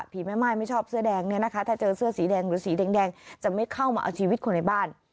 ภีร์ไม่ใหม่ไม่ชอบเสื้อแดงถ้าเจอเชื้อสีแดงเลยสีแดงจะไม่เข้ามาเอาชีวิตคนในบ้าน